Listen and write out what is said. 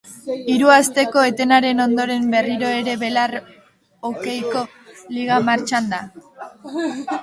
Hiru asteko etenaren ondoren berriro ere belar hokeiko liga martxan da.